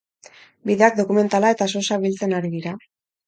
Bideak dokumentala eta sosa biltzen ari dira.